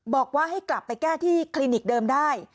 บอกว่าให้กลับไปแก้ที่คลินิกเดิมได้